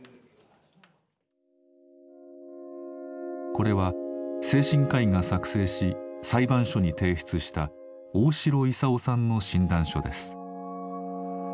これは精神科医が作成し裁判所に提出した大城勲さんの診断書です。